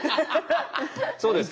そうですか。